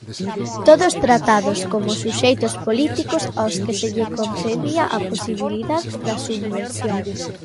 Todos tratados como suxeitos políticos aos que se lle concedía a posibilidade da subversión.